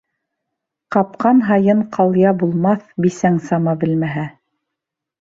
Ҡапҡан һайын ҡалъя булмаҫ, бисәң сама белмәһә.